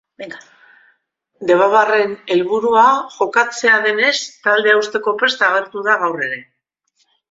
Debarraren helburua jokatzea denez taldea uzteko prest agertu da gaur ere.